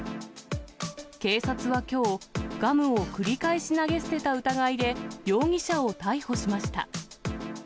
警察はきょう、ガムを繰り返し投げ捨てた疑いで、容疑者を逮捕しました。